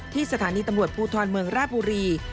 สถานีตำรวจภูทรเมืองราบบุรี